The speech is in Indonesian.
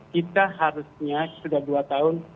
kita harusnya sudah dua tahun